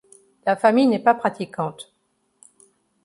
La famille n'est pas pratiquante.